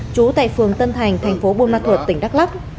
trú tại phường tân thành tp buôn ma thuật tỉnh đắk lắk